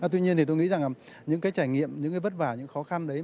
tuy nhiên thì tôi nghĩ rằng những cái trải nghiệm những cái vất vả những khó khăn đấy